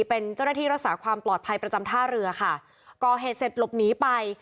เป็นเจ้าหน้าที่รักษาความปลอดภัยประจำท่าเรือค่ะก่อเหตุเสร็จหลบหนีไป